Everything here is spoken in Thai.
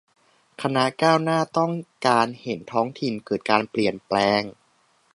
คณะก้าวหน้า ต้องการเห็นท้องถิ่นเกิดการเปลี่ยนแปลง